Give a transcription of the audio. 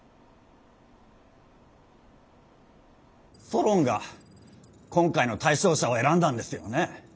ソロンが今回の対象者を選んだんですよね？